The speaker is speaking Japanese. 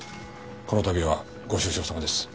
この度はご愁傷さまです。